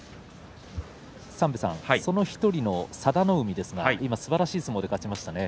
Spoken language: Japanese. その１人の佐田の海ですがすばらしい相撲で勝ちました。